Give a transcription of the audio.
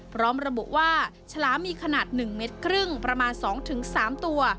พร้อมระบุว่าฉลามมีขนาด๑เมตรครึ่งประมาณ๒๓ตัว